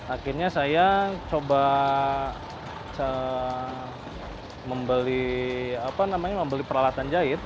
akhirnya saya coba membeli peralatan jahit